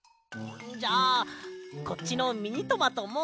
じゃあこっちのミニトマトも。